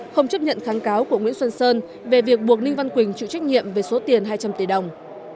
không chấp nhận kháng cáo của nguyễn xuân sơn về việc buộc ninh văn quỳnh chịu trách nhiệm về số tiền hai trăm linh tỷ đồng